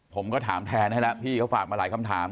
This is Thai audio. ผมก็ถามแทนให้แล้วพี่เขาฝากมาหลายคำถาม